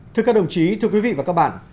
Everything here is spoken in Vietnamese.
thưa các đồng chí thưa quý vị và các bạn